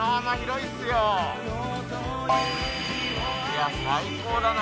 いや最高だな